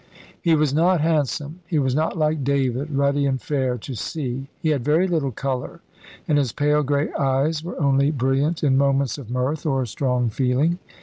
He was not handsome. He was not like David, ruddy and fair to see. He had very little colour, and his pale grey eyes were only brilliant in moments of mirth or strong feeling.